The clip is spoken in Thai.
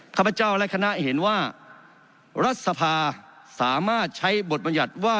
ข้าพเจ้าและคณะเห็นว่ารัฐสภาสามารถใช้บทบรรยัติว่า